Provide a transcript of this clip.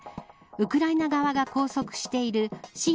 ウクライナ側が拘束している親